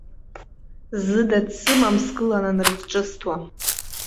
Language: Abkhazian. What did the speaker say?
Зыда дсымам сгылан анрызҿысҭуа.